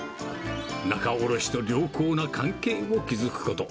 仲卸と良好な関係を築くこと。